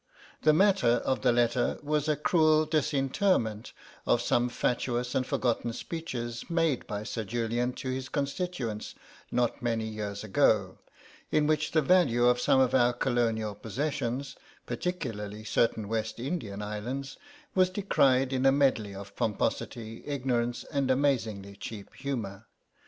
The matter of the letter was a cruel dis interment of some fatuous and forgotten speeches made by Sir Julian to his constituents not many years ago, in which the value of some of our Colonial possessions, particularly certain West Indian islands, was decried in a medley of pomposity, ignorance and amazingly cheap humour.